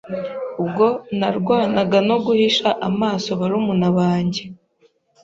Ubwo narwanaga no guhisha amaso barumuna banjye